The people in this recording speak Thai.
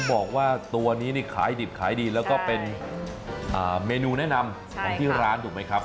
บอกว่าตัวนี้นี่ขายดิบขายดีแล้วก็เป็นเมนูแนะนำของที่ร้านถูกไหมครับ